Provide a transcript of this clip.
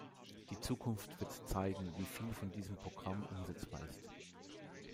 Die Zukunft wird zeigen, wie viel von diesem Programm umsetzbar ist.